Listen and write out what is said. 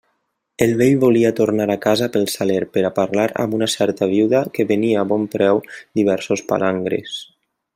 El vell volia tornar a casa pel Saler per a parlar amb una certa viuda que venia a bon preu diversos palangres.